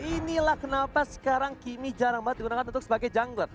inilah kenapa sekarang kimmy jarang banget digunakan untuk sebagai jungler